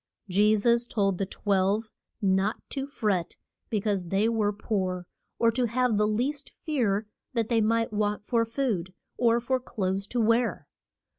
Je sus told the twelve not to fret be cause they were poor, or to have the least fear that they might want for food, or for clothes to wear.